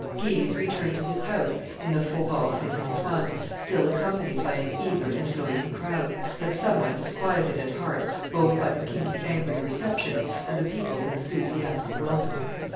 Guise returned to his house in the Faubourg St. Antoine, still accompanied by an eager and noisy crowd, but somewhat disquieted at heart both by the king's angry reception and the people's enthusiastic welcome.